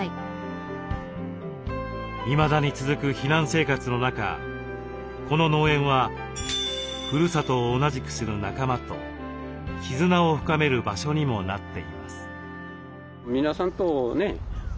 いまだに続く避難生活の中この農園はふるさとを同じくする仲間と絆を深める場所にもなっています。